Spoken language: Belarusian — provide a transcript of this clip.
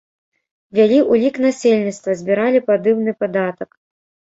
Вялі ўлік насельніцтва, збіралі падымны падатак.